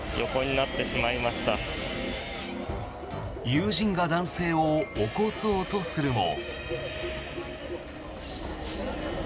友人が男性を起こそうとするも。